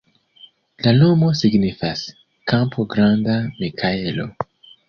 La nomo signifas: kampo-granda-Mikaelo.